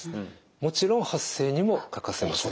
もちろん発声にも欠かせません。